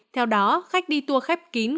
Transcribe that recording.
theo đó khách đi tour khép kín